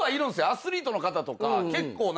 アスリートの方とか結構。